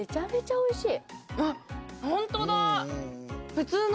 おいしい。